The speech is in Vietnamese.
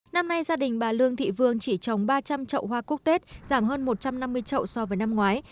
năm nay gia đình bà lương thị vương chỉ trồng ba trăm linh trậu hoa quốc tết giảm hơn một trăm năm mươi trậu so với năm ngoái